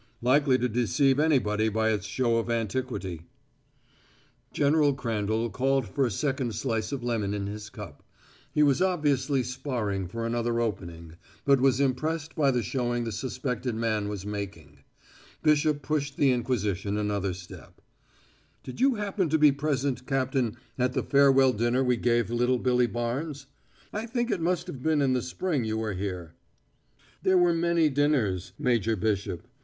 Likely to deceive anybody by its show of antiquity." General Crandall called for a second slice of lemon in his cup. He was obviously sparring for another opening, but was impressed by the showing the suspected man was making. Bishop pushed the inquisition another step: "Did you happen to be present, Captain, at the farewell dinner we gave little Billy Barnes? I think it must have been in the spring you were here." "There were many dinners, Major Bishop."